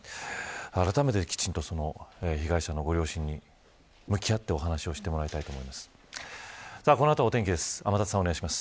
あらためて被害者のご両親に向き合ってお話をしてもらいたいと思います。